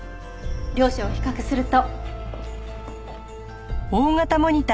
両者を比較すると。